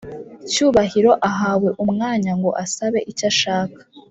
cyubahiro ahawe umwanya ngo asabe icyashaka